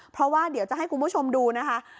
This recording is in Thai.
เพราะว่าเดี๋ยวจะให้คุณผู้ชมดูนะคะ